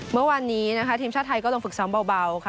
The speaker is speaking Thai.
เมื่อวานนี้นะคะทีมชาติไทยก็ลงฝึกซ้อมเบาค่ะ